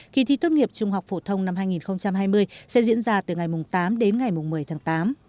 khi thi tốt nghiệp trung học phổ thông năm hai nghìn hai mươi sẽ diễn ra từ ngày tám đến ngày một mươi tháng tám